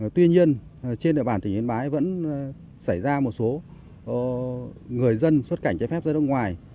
tuy nhiên trên địa bàn tỉnh yên bái vẫn xảy ra một số người dân xuất cảnh trái phép ra nước ngoài